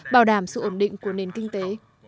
bảo đảm sự ổn định của nền kinh tế